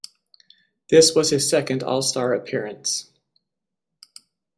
This was his second All-Star appearance.